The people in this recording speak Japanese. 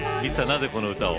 なぜこの歌を？